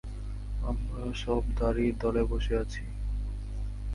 আমরা সব দাঁড়ীর দলে বসে গেছি।